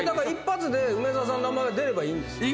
１発で梅沢さんの名前が出ればいいんですよ